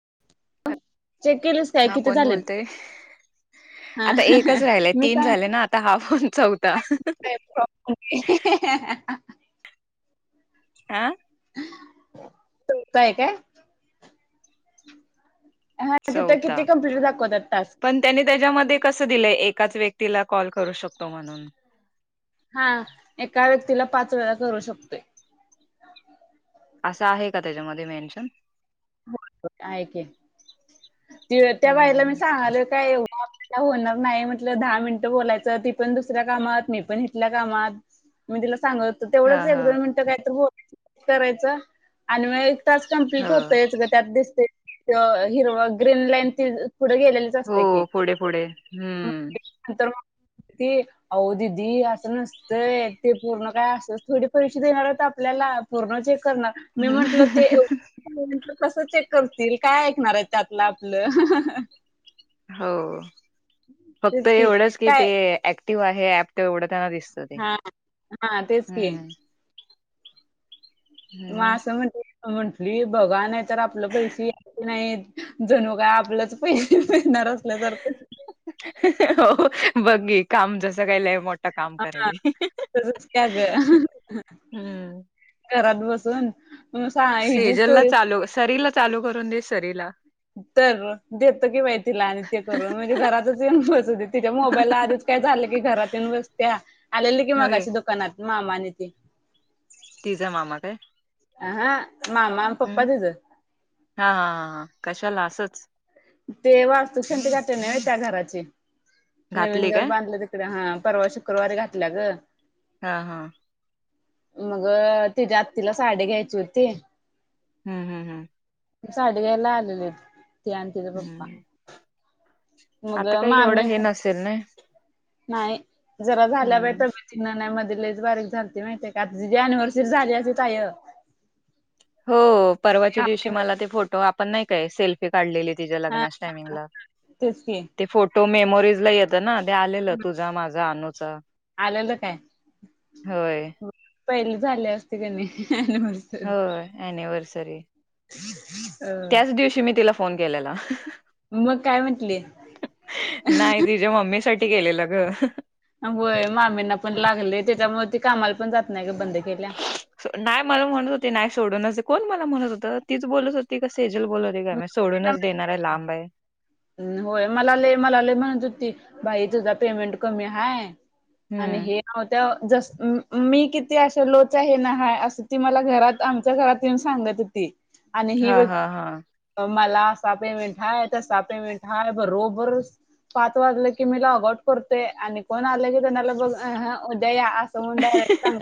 [unintelligible] Check केलीस काय हा किती कोण झाल्यात. बोलतय आता एकच राहिलाय तीन झाले ना आता हा फोन चौथा [unintelligible] [inaudible] अ काय काय हा तिथं चौथा किती कंप्लीट दाखवतात टास्क? पण त्यानी त्याच्यामध्ये कस दिलंय ये एकाच व्यक्तीला कॉल करू शकतो म्हणून. हा एका व्यक्तीला पाच वेळा करू शकतोय, असं आहे का त्याच्यामध्ये मेन्शन? हो आहे की, ती होय त्या हम्म हम्म बाईला मी हम्म. सांगालिय काय, होणार नाहीम्हटलं, दहा मिनटं बोलायचं ती पण दुसऱ्या कामात, मी पण इथल्या कामात मी तिला, सांगत तेवढंच हा एक हा दोन मिनटं, काय तर बोलायच करायचं. आणि मग एक तास कम्प्लीट हो होतोयच, ग त्यात दिसतय हिरवा ग्रीनलाईन पुढं गेलेलीच असत्या की हो पुढे पुढे हम्म नंतर, ते अह दिदी असं नसतंय, ते पूर्ण काय असं थोडे पैसे देणार होत आपल्याला, [unintelligible] पूर्ण जे, मी म्हटलं ते एक कस चेक करतील काय ऐकणार हायत त्यात, ला आपलं हो फक्त तेच एवढंच की काय ते ऍक्टिव्ह आहे ऍप तेवढं, त्याला दिसत ते हा हा तेच की हम्म, म मग अस म्हणजे, म्हंटली बघा नाही, तर आपलं पैसे यायचे नाही जणू काय आपलंच पैसे, पीकणार असल्यासारखं, हो बघ घे काम जसं केलंय, मोठं काम हा करालेय ह तसंच काय ग ह ह हम्म, [unintelligible] जी सेजल ला स्टोरी चालू सरीला चालू करून दे सरीला, तर देतो कि बाई तिला आणि ते करून म्हणजे घरातंच येऊन बसू दे तिच्या मोबाईलला आधीच, काय झालं की घरात येऊन बसत्या, आलेली की होय मगाशी दुकानात मामा आणि ती. तीझा मामा काय? अ हा मामा आणि हम्म पप्पा तिचं हा हा हा कशाला असच. ते वास्तूक शांती घातल्या नव्हे त्या घराची, नवीन घातली घर काय बांधले तिकडे हा. परवा शुक्रवारी घातल्या गं. हा हा, मग तिच्या आत्तीला साडी घ्यायची होती. हम्म हम्म हम्म. साडी घ्यायला आलेले ती आणि तिचं पप्पा. हम्म मग आता काही एवढं मामी हे नसेल ना नाही जरा झाल्या बाई हम्म तब्बेतीनं नाही, मधी लईच बारीक झालती माहितीे, का आता अनिव्हर्सरी झाली असेल तायं, हो परवाच्या दिवशी मला ते, फोटो आपण नाही काय सेल्फी काढलेले. तीच्या हा लग्नाच्या हा टायमिंगला तेच की ते फोटो मेमोरीजला येत. ना ते आलेलं तुझा माझा अनुचा. आलेलं काय, पहिले झाले असते कणी, हो अनिव्हर्सरी, [inaudible] त्याच दिवशी मी तिला फोन केलेला. मग काय म्हंटली नाही तीच्या मम्मी साठी केलेला गं, होय मामींना पण लागलंय, त्याच्यामुळे ती कामाला पण जात नाही गं बंद केल्या. नाही मला म्हणत होते, नाही सोडूनच कोण मला म्हणत होतं तीच बोलत होती कस, ती चा बोलत मग होती तिला सोडूनच देणार आहे लांब आहे. म्हण- होय मला लय मला लय म्हणत होती बाई तुझा पेमेंट कमी हाय आणि हम्म हे त्याव, जसं मी किती असं लो च्या हेन हाय असं ती मला घरात आमच्या घरात येऊन सांगत होती. आणि हा ही हा हा मला आसा पेमेंट हाय तसा पेमेंट आहे, बरोबरच पाच वाजलं की मी लॉग आउट करतोय आणि कोण आलं की त्यांनाला बघ अहं, उद्या या आसं म्हणुन डायरेक्ट सांग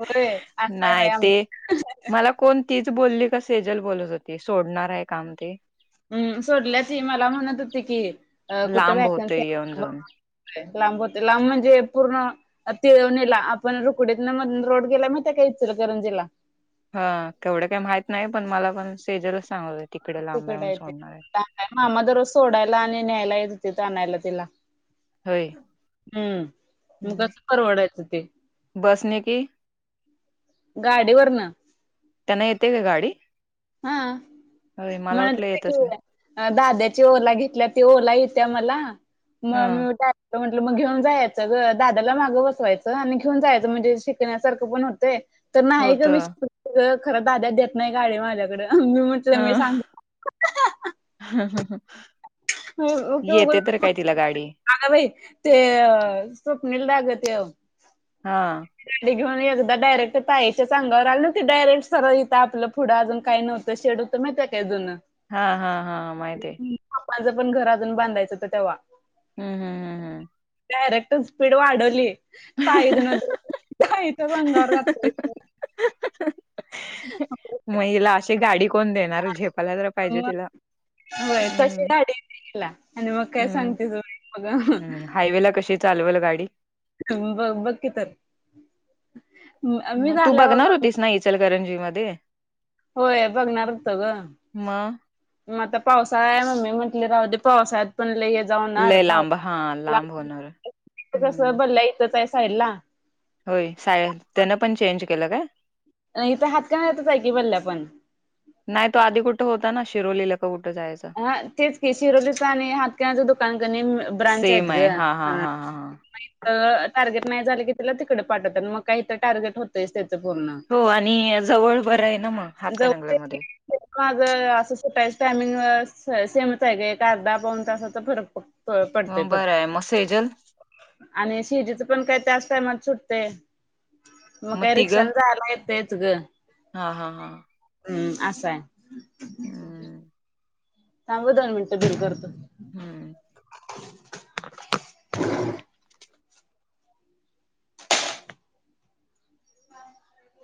होय आसं हाय बाई नाही ते आमचं मला कोण तीच बोलली का सेजल बोलत होती सोडणार आहे काम ते, हम्म सोडल्या ती मला म्हणत होती की अ कुठं लांब होतय व्हॅकन्सी येऊन आहे काय जाऊन बगा लांब होते लांब म्हणजे पूर्ण तिळवणीला आपण रुकडीतन मधंन रोड गेलाय माहितीये काय इचल करंजीला हा तेवढं काय माहित नाही पण मला पण सेजलच सांग ली तिकडं आहे ते, मामा दररोज सोडायला आणि न्यायला येत होतीत आणायला तिला. होय हम्म मग हं. कसं परवडायचं ते. बसने की गाडीवरनं त्यांना येते का गाडी? हा होय मला वाटलं येतच नाही [unintelligible] दाद्याची ओला घेतल्या ती ओला येत्या मला म हा म्हटलं मग घेऊन जायचं ग दादाला मागं बसवायचं आणि घेऊन जायचं म्हणजे शिकण्यासारखं पण होतंय तर नाही होत ग मी [unintelligible] खरं दाद्या देत नाही गाडी माझ्या हा हम् हम् हम [unintelligible] ते अ स्वप्निल दा गत तेव हा घेऊन एकदा डायरेक्ट तायाच्याच अंगावर आले नव्हती, डायरेक्ट सरळं इथं आपलं पुढं अजून काही नव्हतं शेड होतं म त्या काय दोन हा हा हा माहिती आहे माझं पण घर अजून बांधायचं तर तेव्हा हम्म हम्म हम् हम्म डारेक्ट स्पीड वाढवली पाय धून अंगावर घातय रिकाम मग हिला अशी गाडी कोण देणार झेपायला तर पाहिजे मग तिला होय तशी हम्म गाडीला येते ईला आणि मग काय हम्म. सांगते ज बघ चालवल गाडी त बकीितर म तू बघणार होतीस ना इचलकरंजी मध्ये होय बघणार होतो ग मग म आता पावसाळा आहे मम्मी म्हटले राहू दे पावसाळ्यात पणलेेत जाऊन लय अर्धा लांब हा लांब लाग होणार इथे कस हम्म. भरल्या इथंच आहे साईडला होय सा त्यानं पण चेंज केलं काय नाहीथ हात का नाहीतच आहे की बल्ल्या पण नाही तो आधी कुठं होता ना शिरोलीला जाऊ हा तेच की शिरोलीच आणि हातकणाच दुकान क ब्रांच आहेत सेम आहे ग हा हा हा हा हा मगथ टार्गेट नाही झाले की तिला तिकडे पाठवत मग काहीथं टार्गेट होतंयच ते हो आणि जवळ बरं आहे ना मग हातकणंगल्यामध्ये अस टायमिंग सेमच आहे का एक अर्धा पाऊन तसा तर फरक पड पडतेय मग बरं आहे. मग सेजल फक्त आणि शेजचं पण काय जास् टायमात सुटते मग काही रिक्षाला जायला येत इच ग हा हा हा हम्म आसा आहे हम् थांब दोन मिनिटं बिल करतो हम्म रिकाम